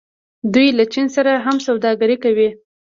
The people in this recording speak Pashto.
دوی له چین سره هم سوداګري کوي.